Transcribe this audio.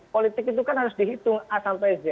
politik itu kan harus dihitung a sampai z